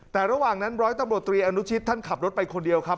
แต่ระหว่างนั้นร้อยตำรวจตรีอนุชิตท่านขับรถไปคนเดียวครับ